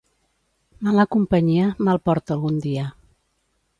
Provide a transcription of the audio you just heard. Mala companyia, mal porta algun dia.